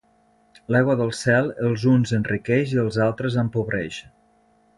L'aigua del cel, els uns enriqueix i els altres empobreix.